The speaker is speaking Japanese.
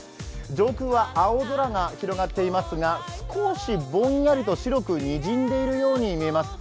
上空は青空が広がっていますがすこしぼんやりと白くにじんでいるように見えます。